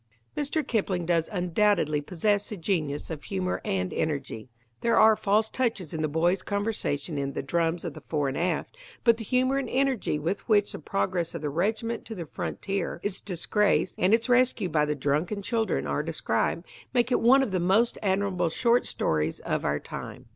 Mr. Kipling does undoubtedly possess the genius of humour and energy. There are false touches in the boys' conversation in The Drums of the Fore and Aft, but the humour and energy with which the progress of the regiment to the frontier, its disgrace and its rescue by the drunken children, are described, make it one of the most admirable short stories of our time.